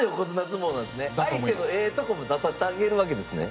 相手のええとこも出させてあげるわけですね。